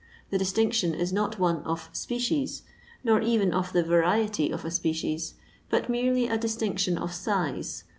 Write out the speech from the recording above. The distioetaoii is not one of species, nor even of the "variety" of a species, but merely a distinction of siae.